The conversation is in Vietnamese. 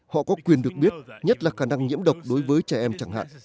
họ có quyền được biết nhất là khả năng nhiễm độc đối với trẻ em chẳng hạn